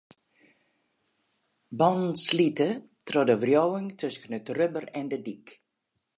Bannen slite troch de wriuwing tusken it rubber en de dyk.